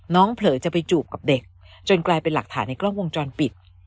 เผลอจะไปจูบกับเด็กจนกลายเป็นหลักฐานในกล้องวงจรปิด